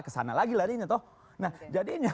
ke sana lagi larinya toh nah jadinya